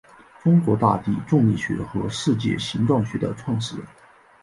中国大地重力学和地球形状学的创始人。